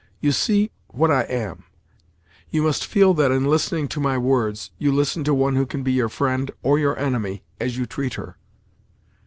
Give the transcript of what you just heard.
You see what I am; you must feel that in listening to my words, you listen to one who can be your friend, or your enemy, as you treat her."